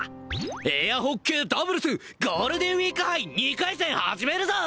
エアホッケーダブルスゴールデンウイーク杯２回戦始めるぞ！